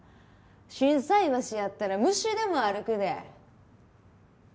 心斎橋やったら虫でも歩くで」。